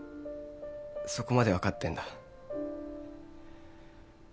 そこまで分かってんだ。